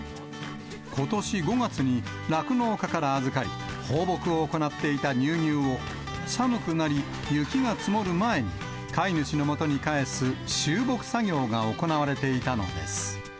ことし５月に酪農家から預かり、放牧を行っていた乳牛を寒くなり、雪が積もる前に、飼い主のもとに帰す終牧作業が行われていたのです。